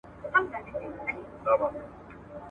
د بل پر وټ درې درې وايي.